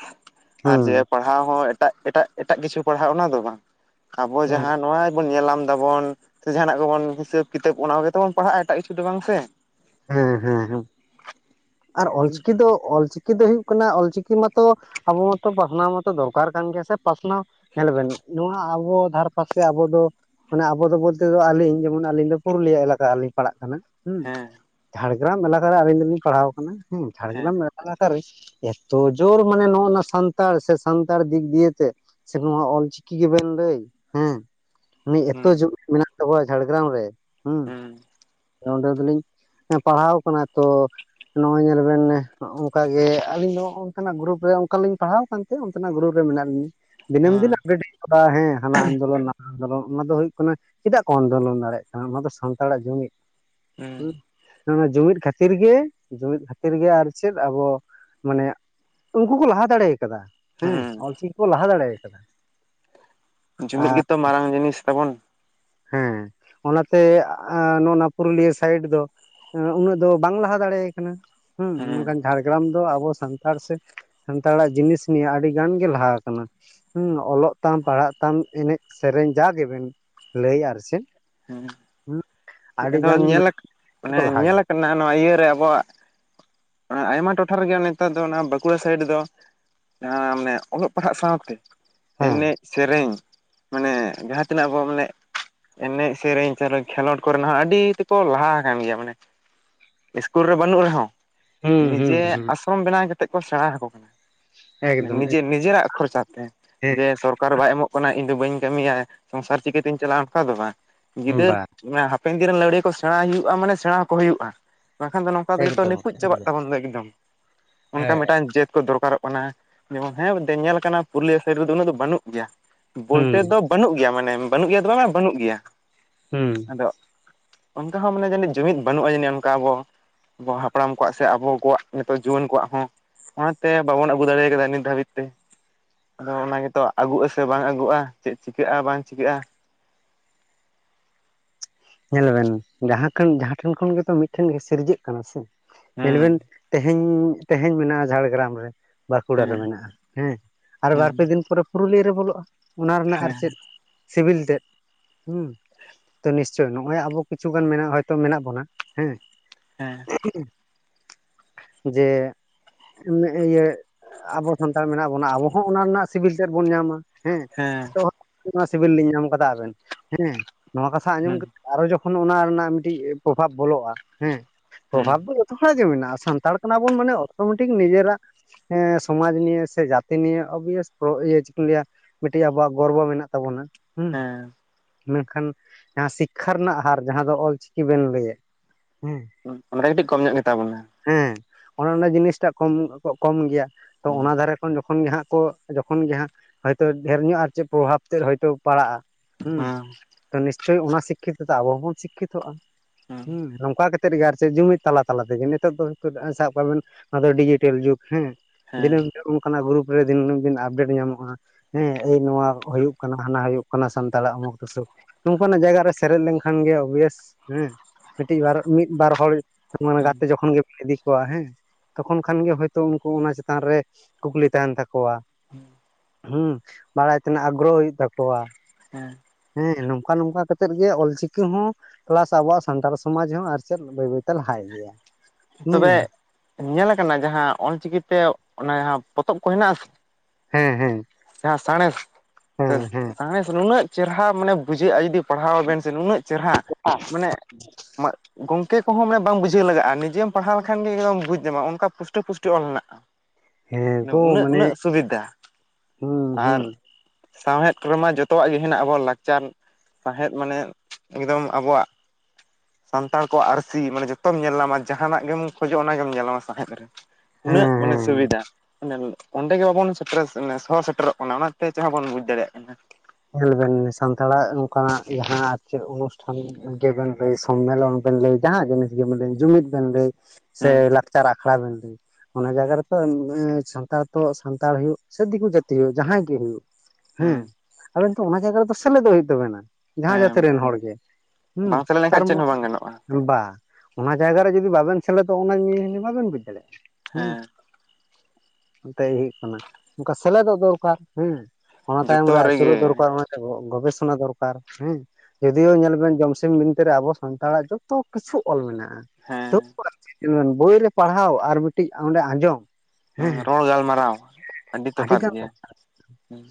ᱟᱨ ᱡᱮ ᱦᱮᱸ ᱯᱟᱲᱦᱟᱣ ᱦᱚᱸ ᱮᱴᱟᱜ ᱮᱴᱟᱜ ᱮᱴᱟᱜ ᱠᱤᱪᱷᱩ ᱯᱟᱲᱦᱟᱜ ᱚᱱᱟ ᱫᱚ ᱵᱟᱝ᱾ ᱟᱵᱚ ᱡᱟᱦᱟᱸ ᱱᱚᱣᱟ, ᱵᱚᱱ ᱧᱮᱞᱞᱟᱟᱢ ᱮᱫᱟᱵᱚᱱ ᱥᱮ ᱡᱟᱦᱟᱱᱟᱜ ᱜᱮᱵᱚᱱ ᱦᱤᱥᱟᱹᱵ ᱠᱤᱛᱟᱹᱵ ᱚᱱᱟ ᱠᱚᱜᱮᱵᱚᱱ ᱯᱟᱲᱦᱟᱜᱼᱟ ᱮᱴᱟᱜ ᱠᱤᱪᱷᱩ ᱫᱚ ᱵᱟᱝ ᱥᱮ ᱦᱮᱸ ᱦᱮᱸ ᱦᱮᱸ ᱟᱨ ᱚᱞᱪᱤᱠᱤ ᱫᱚ ᱚᱞᱪᱤ ᱪᱤᱠᱤ ᱫᱚ ᱦᱩᱭᱩᱜ ᱠᱟᱱᱟ ᱚᱞᱪᱤᱠᱤ ᱢᱟᱛᱚ ᱟᱵᱚ ᱢᱟᱛᱚ ᱯᱟᱥᱱᱟᱣ ᱢᱟᱛᱚ ᱫᱚᱨᱠᱟᱨ ᱠᱟᱱ ᱜᱮᱭᱟ ᱥᱮ ᱯᱟᱥᱱᱟᱣ᱾ ᱧᱮᱞᱸᱵᱱ ᱱᱚᱣᱟ ᱟᱵᱚ ᱫᱷᱟᱨ ᱯᱟᱥᱮ ᱟᱵᱚ ᱫᱚ ᱢᱟᱱᱮ ᱟᱵᱚ ᱫᱚ ᱵᱚᱞᱛᱮ ᱫᱚ ᱟᱹᱞᱤᱧ ᱡᱮᱢᱚᱱ ᱟᱹᱞᱤᱧ ᱫᱚ ᱯᱩᱨᱩᱞᱤᱭᱟᱹ ᱮᱞᱟᱠᱟ ᱞᱞᱤᱧ ᱯᱟᱲᱟᱜ ᱠᱟᱱᱟ᱾ ᱦᱸ ᱦᱮᱸ ᱡᱷᱟᱲᱜᱨᱟᱢ ᱮᱞᱟᱠᱟᱟᱨᱮ ᱟᱞᱤᱧ ᱫᱚᱞᱤᱧ ᱯᱟᱲᱦᱟᱣ ᱟᱠᱟᱱᱟ ᱦᱮᱸ ᱡᱷᱟᱲᱜᱨᱟᱢ ᱟᱠᱟᱨᱮ ᱮᱛᱚ ᱡᱳᱨ ᱢᱟᱱᱮ ᱱᱚᱜᱚ ᱱᱣᱟ ᱥᱟᱱᱛᱟᱲ ᱥᱮ ᱥᱟᱱᱛᱟᱲ ᱫᱤᱠ ᱫᱤᱭᱮ ᱛᱮ ᱥᱮ ᱱᱚᱣᱟ ᱚᱞᱪᱤᱠᱤ ᱜᱮᱵᱮᱱ ᱞᱟᱹᱭ ᱦᱮᱸ ᱢᱤᱫ ᱮᱛᱚ ᱦᱩᱸ ᱡᱚᱢ ᱢᱮᱱᱟᱜ ᱛᱟᱵᱚᱣᱟ ᱡᱷᱟᱲᱜᱨᱟᱢ ᱨᱮ ᱦᱩᱸ ᱦᱩᱸ ᱚᱸᱰᱮ ᱫᱚᱞᱤᱧ ᱯᱟᱲᱦᱟᱣ ᱟᱠᱟᱱᱟ ᱛᱚ ᱱᱚᱜᱼᱚᱭ ᱧᱮᱞ ᱵᱮᱱ ᱦᱚᱝᱠᱟᱜ ᱜᱮ ᱟᱹᱞᱤᱧ ᱫᱚ ᱱᱚᱜ ᱱᱚᱝᱠᱟᱱᱟᱜ ᱜᱨᱩᱨᱩᱯ ᱨᱮ ᱚᱱᱠᱟᱞᱤᱧ ᱯᱟᱲᱦᱟᱣ ᱠᱟᱱ ᱚᱱᱛᱮᱱᱟᱜ ᱜᱩᱨᱩᱵ ᱨᱮ ᱢᱮᱱᱟᱜ ᱞᱤᱧᱟ ᱫᱤᱱᱟᱹᱢ ᱫᱤᱱ ᱦᱩᱸ ᱟᱵᱰᱮᱴ ᱦᱮᱸ ᱦᱟᱱᱟ ᱟᱱᱫᱳᱞᱚᱱ ᱱᱟᱜ ᱟᱱᱫᱳᱞᱚᱱ ᱚᱱᱟ ᱫᱚ ᱦᱩᱭᱩᱜ ᱠᱟᱱᱟ ᱪᱮᱫᱟᱜ ᱠᱚ ᱟᱱᱫᱳᱞᱚᱱ ᱫᱟᱲᱮᱭᱟᱜ ᱠᱟᱱᱟ ᱚᱱᱟ ᱫᱚ ᱥᱟᱱᱛᱟᱲᱟᱜ ᱡᱩᱢᱤᱫ ᱦᱩᱸ ᱚᱱᱟ ᱡᱩᱢᱤᱫ ᱠᱷᱟᱹᱛᱤᱨ ᱜᱮ ᱡᱩᱢᱤᱫ ᱠᱷᱟᱹᱛᱤᱨ ᱜᱮ ᱟᱨ ᱪᱮᱫ ᱟᱵᱚ ᱢᱟᱱᱮ ᱩᱱᱠᱩ ᱠᱚ ᱞᱟᱦᱟ ᱫᱟᱲᱮ ᱠᱟᱫᱟ ᱦᱮᱸ ᱚᱞᱪᱤᱠᱤ ᱠᱚ ᱞᱟᱦᱟ ᱫᱟᱲᱮ ᱠᱟᱫᱟ ᱟᱨ ᱡᱩᱢᱤᱫ ᱜᱮᱛᱚ ᱢᱟᱨᱟᱝ ᱡᱤᱱᱤᱥ ᱛᱟᱵᱚᱱ ᱦᱮᱸ ᱚᱱᱟᱛᱮ ᱱᱚᱜ ᱱᱚᱣᱟ ᱯᱩᱨᱩᱞᱤᱭᱟᱹ ᱥᱟᱭᱤᱰ ᱫᱚ ᱩᱱᱟᱹᱜ ᱫᱚ ᱵᱟᱝ ᱞᱟᱦᱟ ᱫᱟᱲᱮᱭᱟᱭ ᱠᱟᱱᱟ᱾ ᱦᱮᱸ ᱦᱩᱸ ᱢᱮᱱᱠᱷᱟᱱ ᱡᱷᱟᱲᱜᱨᱟᱢ ᱫᱚ ᱟᱵᱚ ᱥᱟᱱᱛᱟᱲ ᱥᱮ ᱥᱟᱱᱛᱟᱲᱟᱜ ᱡᱤᱱᱤᱥ ᱱᱤᱭᱮ ᱟᱹᱰᱤ ᱜᱟᱱ ᱜᱮ ᱞᱟᱦᱟ ᱟᱠᱟᱱᱟ᱾ ᱦᱮᱸ ᱚᱞᱚᱜ ᱛᱟᱢ, ᱯᱟᱲᱦᱟᱜ ᱛᱟᱢ, ᱮᱱᱮᱡ, ᱥᱮᱨᱮᱧ ᱡᱟᱜ ᱜᱮᱵᱮᱱ ᱞᱟᱹᱭ ᱟᱨ ᱪᱮᱫ ᱟᱹᱰᱤ ᱦᱮᱸ ᱟᱫᱚ ᱜᱟᱱ ᱧᱮᱞ ᱢᱟᱱᱮ ᱠᱚ ᱞᱟᱦᱟ ᱧᱮᱞ ᱜᱮᱭᱟ ᱠᱟᱱᱟ ᱱᱚᱣᱟ ᱤᱭᱟᱹᱨᱮ ᱟᱵᱚᱣᱟᱜ ᱟᱭᱢᱟ ᱴᱚᱴᱷᱟ ᱨᱮᱜᱮ ᱱᱮᱛᱟᱨ ᱫᱚ ᱚᱱᱟ ᱵᱟᱸᱠᱩᱲᱟ ᱥᱟᱭᱤᱰ ᱫᱚ ᱡᱟᱦᱟᱸ ᱢᱟᱱᱮ ᱚᱞᱚᱜ ᱯᱟᱲᱦᱟᱜ ᱥᱟᱶᱛᱮ ᱦᱮᱸ ᱮᱱᱮᱡ ᱥᱮᱨᱮᱧ ᱢᱟᱱᱮ ᱡᱟᱦᱟᱸ ᱛᱤᱱᱟᱹᱜ ᱟᱵᱚ ᱢᱟᱱᱮ ᱮᱱᱮᱡ ᱥᱮᱨᱮᱧ ᱪᱚ ᱠᱷᱮᱞᱳᱰ ᱠᱚᱨᱮᱱ ᱦᱚᱸ ᱟᱹᱰᱤ ᱛᱮᱠᱚ ᱞᱟᱦᱟ ᱟᱠᱟᱱ ᱜᱮᱭᱟ ᱢᱟᱱᱮ ᱤᱥᱠᱩᱞ ᱨᱮ ᱵᱟᱹᱱᱩᱜ ᱨᱮᱦᱚᱸ ᱦᱩᱸ ᱦᱩᱸ ᱱᱤᱡᱮ ᱦᱩᱸ ᱟᱥᱨᱚᱢ ᱵᱮᱱᱟᱣ ᱠᱟᱛᱮ ᱠᱚ ᱥᱮᱬᱟ ᱟᱠᱚ ᱠᱟᱱᱟ᱾ ᱮᱠᱫᱚᱢ ᱱᱤᱡᱮ ᱱᱤᱡᱮᱨᱟᱜ ᱠᱷᱚᱨᱪᱟ ᱛᱮ ᱡᱮ ᱥᱚᱨᱠᱟᱨ ᱵᱟᱭ ᱮᱢᱚᱜ ᱠᱟᱱᱟᱭ ᱤᱧ ᱫᱚ ᱵᱟᱹᱧ ᱠᱟᱹᱢᱤᱭᱟ ᱥᱚᱝᱥᱟᱨ ᱪᱤᱠᱟᱹᱛᱤᱧ ᱪᱟᱞᱟᱣ-ᱟ ᱚᱱᱠᱟ ᱫᱚ ᱵᱟᱝ ᱦᱮᱸ ᱜᱤᱫᱟᱹᱨ ᱵᱟ ᱦᱟᱯᱮᱸᱱ ᱫᱤᱱ ᱨᱮᱱ ᱞᱟᱹᱣᱲᱤᱭᱟᱹ ᱠᱚ ᱥᱮᱬᱟ ᱦᱩᱭᱩᱜ-ᱟ ᱢᱟᱱᱮ ᱥᱮᱬᱟ ᱟᱠᱚ ᱦᱩᱭᱩᱜ-ᱟ᱾ ᱵᱟᱝᱠᱷᱟᱱ ᱫᱚ ᱱᱚᱝᱠᱟ ᱚᱱᱠᱟᱫᱚ ᱡᱚᱛᱚ ᱮᱠᱫᱚᱢ ᱱᱤᱯᱩᱡ ᱪᱟᱵᱟᱜ ᱮᱠᱫᱚᱢ ᱛᱟᱵᱚᱱ ᱫᱚ ᱮᱠᱫᱚᱢ ᱚᱱᱠᱟ ᱦᱮᱸ ᱢᱤᱫᱴᱟᱝ ᱡᱟᱹᱛ ᱠᱚ ᱫᱚᱨᱠᱟᱨᱚᱜ ᱠᱟᱱᱟ᱾ ᱚᱱᱟ ᱡᱮᱢᱚᱱ ᱦᱮᱸ ᱧᱮᱞ ᱠᱟᱱᱟ ᱯᱩᱨᱩᱞᱤᱭᱟᱹ ᱥᱟᱭᱤᱰ ᱨᱮᱫᱚ ᱩᱱᱟᱹᱜ ᱫᱚ ᱵᱟᱹᱱᱩᱜ ᱜᱮᱭᱟ ᱦᱩᱸ ᱵᱚᱞᱛᱮ ᱫᱚ ᱵᱟᱹᱱᱩᱜ ᱜᱮᱭᱟ ᱢᱟᱱᱮ ᱵᱟᱹᱱᱩᱜ ᱜᱮᱭᱟ ᱫᱚ ᱵᱟᱝᱟ ᱵᱟᱹᱱᱩᱜ ᱜᱮᱭᱟ ᱦᱮᱸ ᱟᱫᱚ ᱚᱱᱠᱟ ᱦᱚᱸ ᱢᱟᱱᱮ ᱡᱟᱹᱱᱤᱡ ᱡᱩᱢᱤᱫ ᱵᱟᱹᱱᱩᱜ-ᱟ ᱡᱟᱹᱱᱤᱡ ᱚᱱᱠᱟ ᱟᱵᱚ ᱟᱵᱚ ᱦᱟᱯᱲᱟᱢ ᱠᱚᱣᱟᱜ ᱥᱮ ᱟᱵᱚ ᱠᱚᱣᱟᱜ ᱱᱤᱛᱚᱜ ᱡᱩᱣᱟᱹᱱ ᱠᱚᱣᱟᱜ ᱦᱚᱸ ᱚᱱᱟᱛᱮ ᱮ ᱵᱟᱵᱚᱱ ᱟᱹᱜᱩ ᱫᱟᱲᱮ ᱠᱟᱫᱟ ᱱᱤᱛ ᱫᱷᱟᱹᱵᱤᱡ ᱛᱮ᱾ ᱟᱫᱚ ᱚᱱᱟ ᱜᱮᱛᱚ ᱟᱹᱜᱩᱜ ᱟᱥᱮ ᱵᱟᱝ ᱟᱹᱜᱩᱜ-ᱟ ᱪᱮᱫ ᱪᱤᱠᱟᱹᱜᱼᱟ ᱵᱟᱝ ᱪᱤᱠᱟᱹᱜᱼᱟ᱾ ᱧᱮᱞ ᱵᱮᱱ ᱡᱟᱦᱟᱸ ᱡᱟᱦᱟᱸ ᱴᱷᱮᱱ ᱠᱷᱚᱱ ᱜᱮᱛᱚ ᱢᱤᱫᱴᱷᱮᱱ ᱜᱮ ᱥᱤᱨᱡᱟᱹᱜ ᱠᱟᱱᱟ ᱥᱮ ᱧᱮᱞ ᱦᱮᱸ ᱵᱮᱱ ᱛᱮᱦᱮ ᱛᱮᱦᱮᱧ ᱢᱮᱱᱟᱜᱼᱟ, ᱡᱷᱟᱲᱜᱨᱟᱢ ᱨᱮ ᱵᱟᱸᱠᱩᱲᱟ ᱨᱮ ᱦᱮᱸ ᱢᱮᱱᱟᱜᱼᱟ, ᱦᱮᱸ ᱟᱨ ᱵᱟᱨ ᱦᱮᱸ ᱯᱮ ᱫᱤᱱ ᱯᱚᱨᱮ ᱯᱩᱨᱩᱞᱤᱭᱟᱹ ᱨᱮ ᱵᱚᱞᱚᱜᱼᱟ᱾ᱚᱱᱟ ᱨᱮᱱᱟᱜ ᱟᱨ ᱦᱮᱸ ᱪᱮᱫ ᱥᱤᱵᱤᱞ ᱛᱮᱫ ᱛᱚ ᱱᱤᱥ ᱪᱮᱫ ᱱᱚᱜ-ᱚᱜ ᱟᱵᱚ ᱠᱤᱪᱷᱩ ᱜᱟᱱ ᱢᱮᱱᱟᱜ ᱦᱚᱛᱚ ᱢᱮᱱᱟᱜ ᱵᱚᱱᱟ ᱦᱮᱸ ᱦᱮᱸ ᱡᱮ ᱤᱭᱟᱹ ᱟᱵᱚ ᱥᱟᱱᱛᱟᱲ ᱢᱮᱱᱟᱜ ᱵᱚᱱᱟ ᱟᱵᱚ ᱦᱚᱸ ᱚᱱᱟ ᱨᱮᱱᱟᱜ ᱥᱤᱵᱤᱞ ᱛᱮᱫ ᱵᱚᱱ ᱧᱟᱢᱟ ᱦᱮᱸ ᱦᱮᱸ ᱛᱚ ᱱᱚᱣᱟ ᱥᱤᱵᱤᱞ ᱞᱤᱧ ᱧᱟᱢ ᱟᱠᱟᱫᱟ ᱟᱵᱮᱱ ᱦᱮᱸ ᱱᱚᱣᱟ ᱠᱟᱛᱷᱟ ᱟᱸᱡᱚᱢ ᱦᱮᱸ ᱦᱮᱸ ᱠᱟᱛᱮ ᱟᱨᱚ ᱡᱚᱠᱷᱚᱱ ᱚᱱᱟ ᱨᱮᱱᱟᱜ ᱢᱤᱫᱴᱤᱡ ᱯᱨᱚᱵᱷᱟᱵ ᱵᱚᱞᱚᱜᱼᱟ ᱦᱮᱸ ᱦᱮᱸ ᱯᱨᱚᱵᱷᱟᱵ ᱫᱚ ᱛᱷᱚᱲᱟᱜ ᱜᱮ ᱢᱮᱱᱟᱜᱼᱟ ᱥᱟᱱᱛᱟᱲ ᱠᱟᱱᱟ ᱵᱚᱱ ᱢᱟᱱᱮ ᱚᱴᱢᱮᱴᱤᱠ ᱱᱤᱡᱮᱨᱟᱜ ᱦᱮᱸ ᱥᱚᱢᱟᱡᱽ ᱱᱤᱭᱮ ᱥᱮ ᱡᱟᱹᱛᱤ ᱱᱤᱭᱮ ᱚᱵᱤᱭᱟᱥ ᱤᱭᱟᱹ ᱪᱮᱫ ᱤᱧ ᱞᱟᱹᱭᱟ ᱢᱤᱫᱴᱮᱱ ᱟᱵᱚᱣᱟᱜ ᱜᱚᱨᱵᱚ ᱢᱮᱱᱟᱜ ᱛᱟᱵᱚᱱᱟ᱾ ᱦᱮᱸ ᱢᱮᱱᱠᱷᱟᱱ ᱡᱟᱦᱟᱸ ᱥᱤᱠᱠᱷᱟ ᱨᱮᱱᱟᱜ ᱦᱟᱨ ᱡᱟᱦᱟᱸ ᱫᱚ ᱚᱞᱪᱤᱠᱤ ᱵᱮᱱ ᱞᱟᱹᱭᱮᱫ ᱦᱮᱸ ᱚᱱᱟ ᱫᱚ ᱠᱟᱹᱴᱤᱡ ᱠᱚᱢ ᱧᱚᱜ ᱜᱮᱛᱟ ᱵᱚᱱᱟ᱾ ᱦᱮᱸ ᱚᱱᱮ ᱚᱱᱟ ᱡᱤᱱᱤᱥᱴᱟᱜ ᱠᱚᱢ ᱠᱚᱢ ᱜᱮᱭᱟ ᱛᱚ ᱦᱮᱸ ᱚᱱᱟ ᱫᱷᱟᱨᱮ ᱩᱱ ᱡᱚᱠᱷᱚᱱ ᱜᱮ ᱦᱟᱸᱜ ᱠᱚ ᱡᱚᱠᱷᱚᱱ ᱜᱮ ᱦᱟᱸᱜ ᱦᱚᱭᱛᱚ ᱰᱷᱮᱨ ᱧᱚᱜ ᱟᱨ ᱪᱮᱫ ᱯᱨᱚᱵᱷᱟᱵ ᱛᱮᱫ ᱦᱚᱭᱛ ᱯᱟᱲᱟᱜᱼᱟ ᱦᱮᱸ ᱛᱚ ᱱᱤᱥᱪᱳᱭ ᱚᱱᱟ ᱥᱤᱠᱠᱷᱤᱛ ᱛᱮᱚ ᱟᱵᱚ ᱦᱚᱸᱵᱚᱱ ᱥᱤᱠᱠᱷᱤᱛᱚᱜᱼᱟ ᱦᱮᱸ ᱱᱚᱝᱠᱟ ᱠᱟᱛᱮ (unintelligible) ᱛᱟᱞᱟ ᱛᱟᱞᱟ ᱛᱮᱜᱮ ᱱᱤᱛᱚᱜ ᱫᱚ ᱥᱟᱵ ᱠᱟᱜ ᱵᱤᱱ ᱱᱚᱣᱟ ᱫᱚ ᱰᱤᱡᱤᱴᱮᱞ ᱡᱩᱜᱽ ᱦᱮᱸ ᱫᱤᱱᱟᱹᱢ ᱦᱤᱞᱚᱜ ᱚᱱᱠᱟᱱᱟᱜ ᱜᱨᱩᱯ ᱨᱮ ᱫᱤᱱᱟᱹᱢ ᱫᱤᱱ ᱟᱯᱰᱮᱴ ᱧᱟᱢᱚᱜᱼᱟ᱾ ᱦᱮᱸ ᱮᱭ ᱱᱚᱣᱟ ᱦᱩᱭᱩᱜ ᱠᱟᱱᱟ ᱦᱟᱱᱟ ᱦᱩᱭᱩᱜ ᱠᱟᱱᱟ ᱥᱟᱱᱛᱟᱲᱟᱜ ᱚᱢᱩᱠ ᱛᱩᱥᱩᱠ ᱱᱚᱝᱠᱟ ᱱᱟᱜ ᱡᱟᱭᱜᱟ ᱨᱮ ᱥᱮ ᱯᱮᱨᱮᱡ ᱞᱮᱱᱠᱷᱟᱱ ᱜᱮ ᱳᱵᱤᱭᱥ ᱦᱮᱸ ᱢᱤᱫᱴᱤᱡ ᱵᱟᱨ ᱢᱤᱫ ᱵᱟᱨ ᱦᱚᱲ ᱦᱮᱸ (unintelligible) ᱦᱮᱸ ᱛᱚᱠᱷᱚᱱ ᱠᱷᱟᱱ ᱜᱮ ᱦᱳᱭᱛᱳ ᱩᱱᱠᱩ ᱚᱱᱟ ᱪᱮᱛᱟᱱ ᱨᱮ ᱠᱩᱠᱞᱤ ᱛᱟᱦᱮᱱ ᱛᱟᱠᱚᱣᱟ᱾ (unintelligible) ᱦᱮᱸ ᱵᱟᱲᱟᱭ ᱛᱮᱱᱟᱜ ᱟᱜᱽᱨᱚᱦᱚ ᱦᱩᱭᱩᱜ ᱛᱟᱠᱚᱣᱟ᱾ ᱦᱮᱸ᱾ ᱦᱮᱸ ᱱᱚᱝᱠᱟ ᱱᱚᱝᱠᱟ ᱠᱟᱛᱮᱜ ᱛᱮᱫ ᱜᱮ ᱚᱞ ᱪᱤᱠᱤ ᱦᱚᱸ ᱠᱮᱞᱟᱥ ᱟᱵᱚᱣᱟᱜ ᱥᱟᱱᱛᱟᱲ ᱥᱚᱢᱟᱡᱽ ᱦᱚᱸ ᱟᱨ ᱪᱮᱫ ᱵᱟᱹᱭ ᱵᱟᱹᱭᱛᱮ ᱞᱟᱦᱟᱭ ᱜᱮᱭᱟ ᱛᱚᱵᱮ ᱧᱮᱞᱟᱠᱟᱱᱟ ᱡᱟᱦᱟᱸ ᱚᱞᱪᱤᱠᱤᱛᱮ ᱚᱱᱟ ᱡᱟᱦᱟᱸ ᱯᱚᱛᱚᱵ ᱠᱚ ᱦᱮᱱᱟᱜ ᱟᱥᱮ ᱦᱮᱸ ᱦᱮᱸ᱾ ᱡᱟᱦᱟᱸ ᱥᱟᱬᱮᱥ, ᱦᱮᱸ ᱦᱮᱸ ᱥᱟᱬᱮᱥ ᱱᱩᱱᱟᱹᱜ ᱪᱮᱨᱦᱟ ᱢᱟᱱᱮ ᱵᱩᱡᱷᱟᱹᱜ-ᱟ, ᱡᱩᱫᱤ ᱯᱟᱲᱦᱟᱣ ᱟᱵᱮᱱ ᱥᱮ ᱱᱩᱱᱟᱹᱜ ᱪᱮᱨᱦᱟ ᱢᱟᱱᱮ ᱜᱚᱝᱠᱮ ᱠᱚᱦᱚᱸ ᱢᱮ ᱵᱟᱝ ᱵᱩᱡᱷᱟᱹᱣ ᱞᱟᱜ-ᱟ᱾ ᱱᱤᱡᱮᱢ ᱯᱟᱲᱦᱟᱣ ᱞᱮᱠᱷᱟᱱ ᱜᱮ ᱮᱫᱚᱢ ᱵᱩᱡᱽ ᱧᱟᱢᱟ᱾ ᱚᱱᱠᱟ ᱯᱩᱥᱴᱟᱹ ᱯᱩᱥᱴᱟᱹ ᱚᱞ ᱢᱮᱱᱟᱜ-ᱟ ᱦᱮᱸ ᱚ ᱜᱳ ᱩᱱᱟᱹᱜ ᱢᱟᱱᱮ ᱩᱱᱟᱹᱜ ᱥᱩᱵᱤᱫᱟ᱾ ᱦᱩᱸ ᱦᱩᱸ᱾ ᱟᱨ ᱥᱟᱶᱦᱮᱫ ᱠᱚᱨᱮᱢᱟ ᱡᱚᱛᱚᱣᱟᱜ ᱜᱮ ᱦᱮᱱᱟᱜ ᱟᱵᱚᱣᱟᱜ ᱞᱟᱠᱪᱟᱨ ᱥᱟᱶᱦᱮᱫ ᱢᱟᱱᱮ ᱮᱠᱫᱚᱢ ᱟᱵᱚᱣᱟᱜ ᱥᱟᱱᱛᱟᱲ ᱠᱚᱣᱟᱜ ᱟᱨᱥᱤ᱾ ᱢᱟᱱᱮ ᱡᱚᱛᱚᱢ ᱧᱮᱞ ᱧᱟᱢᱟ ᱡᱟᱦᱟᱱᱟᱜ ᱜᱮᱢ ᱠᱷᱚᱡᱚᱜ-ᱟ ᱚᱱᱟ ᱜᱮᱢ ᱧᱮᱞ ᱧᱟᱢᱟ ᱥᱟᱶᱦᱮᱫ ᱨᱮ᱾ ᱩᱱᱟᱹᱜ ᱦᱮᱸ ᱢᱟᱱᱮ ᱦᱮᱸ ᱥᱩᱵᱤᱫᱟ ᱢᱟᱱᱮ ᱚᱸᱰᱮ ᱜᱮ ᱵᱟᱵᱚᱱ ᱥᱮᱴᱮᱨᱟ ᱫᱚᱦᱚ ᱥᱮᱴᱮᱨᱚᱜ ᱠᱟᱱᱟ ᱚᱱᱟᱛᱮ ᱡᱟᱦᱟᱸ ᱵᱚᱱ ᱵᱩᱡᱽ ᱫᱟᱲᱮᱭᱟᱜ ᱠᱟᱱᱟ᱾ ᱧᱮᱞᱵᱮᱱ ᱥᱟᱱᱛᱟᱲᱟᱜ ᱱᱚᱝᱠᱟᱱᱟᱜ ᱡᱟᱦᱟᱸ ᱟᱨ ᱪᱮᱫ ᱚᱱᱩᱥᱴᱷᱟᱱ ᱜᱮᱵᱮᱱ ᱞᱟᱹᱭ, ᱥᱚᱢᱢᱮᱞᱚᱱ ᱵᱮᱱ ᱞᱟᱹᱭ, ᱡᱟᱦᱟᱸ ᱡᱤᱱᱤᱥ ᱜᱮᱵᱮᱱ ᱞᱟᱹᱭ ᱡᱩᱢᱤᱫ ᱵᱮᱱ ᱞᱟᱹᱭ ᱥᱮ ᱦᱮᱸ ᱞᱟᱠᱽᱪᱟᱨ ᱟᱠᱷᱲᱟ ᱵᱮᱱ ᱞᱟᱹᱭ ᱚᱱᱟ ᱡᱟᱭᱜᱟ ᱨᱮᱛᱚ ᱮ ᱥᱟᱱᱛᱟᱲ ᱛᱚ ᱥᱟᱱᱛᱟᱲ ᱦᱳᱭᱳᱜ ᱥᱮ ᱫᱤᱠᱩ ᱡᱟᱛᱤ ᱡᱟᱦᱟᱸᱭ ᱜᱮ ᱦᱳᱭᱳᱜ ᱦᱮᱸ ᱟᱵᱮᱱ ᱛᱚ ᱚᱱᱟ ᱡᱟᱭᱜᱟ ᱨᱮᱫᱚ ᱥᱮᱞᱮᱫᱚᱜ ᱦᱩᱭᱩᱜ ᱛᱟᱵᱮᱱᱟ ᱡᱟᱦᱟᱸ ᱦᱮᱸ ᱡᱟᱹᱛᱤ ᱨᱮᱱ ᱦᱚᱲ ᱜᱮ ᱦᱮᱸ ᱵᱟᱝ ᱥᱮᱞᱮᱫ ᱛᱟᱨ ᱞᱮᱱᱠᱷᱟᱱ ᱪᱮᱫ ᱦᱚᱸ ᱵᱟᱝ ᱜᱟᱱᱚᱜᱼᱟ ᱵᱟ ᱚᱱᱟ ᱡᱟᱭᱜᱟ ᱨᱮ ᱡᱩᱫᱤ ᱵᱟᱵᱮᱱ ᱥᱮᱞᱮᱫᱚᱜ-ᱟ ᱚᱱᱟ (unintelligible) ᱵᱟᱵᱮᱱ ᱵᱩᱡ ᱫᱟᱲᱮᱭᱟᱜ-ᱟ ᱦᱮᱸ ᱮᱱᱛᱮᱫ ᱦᱩᱭᱩᱜ ᱠᱟᱱᱟ᱾ ᱚᱱᱠᱟ ᱥᱮᱞᱮᱫᱚᱜ ᱫᱚᱨᱠᱟᱨ ᱦᱮᱸ ᱚᱱᱟ ᱛᱟᱭᱚᱢ ᱡᱚᱛᱚ ᱨᱮ ᱨᱮᱜᱮ ᱟᱹᱪᱩᱨᱚᱜ ᱫᱚᱨᱠᱟᱨ ᱜᱚᱵᱮᱥᱚᱱᱟ ᱫᱚᱨᱠᱟᱨ ᱦᱮᱸ ᱡᱳᱫᱤᱭᱳ ᱧᱮᱞ ᱵᱮᱱ ᱡᱚᱢᱥᱤᱢ ᱵᱤᱱᱛᱤ ᱨᱮ ᱟᱵᱚ ᱥᱟᱱᱛᱟᱲᱟᱜ ᱡᱚᱛᱚ ᱠᱤᱪᱷᱩ ᱚᱞ ᱢᱮᱱᱟᱜ-ᱟ᱾ ᱦᱮᱸ᱾ ᱵᱳᱭ ᱨᱮ ᱯᱟᱲᱦᱟᱣ ᱟᱨ ᱢᱤᱫᱴᱤᱡ ᱚᱸᱰᱮ ᱟᱸᱡᱚᱢ ᱦᱩᱸ ᱦᱮᱸ ᱨᱚᱲ ᱜᱟᱞᱢᱟᱨᱟᱣ ᱟᱹᱰᱤ ᱛᱚᱯᱷᱟᱛ ᱜᱮᱭᱟ᱾ ᱦᱮᱸ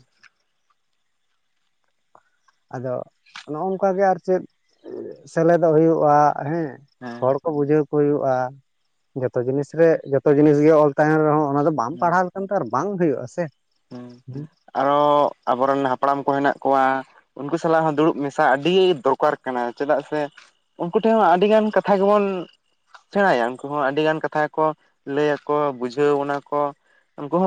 ᱟᱫᱚ ᱱᱚᱜ-ᱚᱭ ᱠᱟᱜᱮ ᱟᱨ ᱪᱮᱫ ᱥᱮᱞᱮᱫᱚᱜ ᱦᱩᱭᱩᱜ-ᱟ ᱦᱮᱸ᱾ ᱦᱮᱸ ᱦᱚᱲᱠᱚ ᱵᱩᱡᱷᱟᱹᱣ ᱠᱚ ᱦᱩᱭᱩᱜᱼᱟ᱾ ᱡᱚᱛᱚ ᱡᱤᱱᱤᱥ ᱨᱮ ᱡᱚᱛᱚ ᱡᱤᱱᱤᱥ ᱜᱮ ᱚᱞ ᱛᱟᱦᱮᱱ ᱨᱮᱦᱚᱸ ᱚᱱᱟ ᱫᱚ ᱵᱟᱢ ᱯᱟᱲᱦᱟᱣ ᱞᱮᱠᱷᱟᱱ ᱛᱚ ᱟᱨ ᱵᱟᱝ ᱦᱩᱭᱩᱜ-ᱟ ᱥᱮ᱾ ᱦᱮᱸ ᱟᱨᱚ ᱟᱵᱚᱨᱮᱱ ᱦᱟᱯᱲᱟᱢ ᱠᱚ ᱦᱮᱱᱟᱜ ᱠᱚᱣᱟ᱾ ᱩᱱᱠᱩ ᱥᱟᱞᱟᱜ ᱦᱚᱸ ᱫᱩᱲᱩᱵ ᱢᱮᱥᱟ ᱟᱹᱰᱤ ᱫᱚᱨᱠᱟᱨ ᱠᱟᱱᱟ ᱪᱮᱫᱟᱜ ᱥᱮ ᱩᱱᱠᱩ ᱴᱷᱮᱱ ᱦᱚᱸ ᱟᱹᱰᱤᱜᱟᱱ ᱠᱟᱛᱷᱟ ᱜᱮᱵᱚᱱ ᱥᱮᱬᱟᱭᱟ᱾ ᱩᱱᱠᱩ ᱦᱚᱸ ᱟᱹᱰᱤ ᱜᱟᱱ ᱠᱟᱛᱷᱟ ᱠᱚ ᱞᱟᱹᱭ ᱟᱠᱚ ᱵᱩᱡᱷᱟᱹᱣᱱᱟ ᱵᱚᱱᱟ ᱠᱚ ᱩᱱᱠᱩ ᱦᱚᱸ